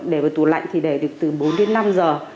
để vào tủ lạnh thì để được từ bốn đến năm giờ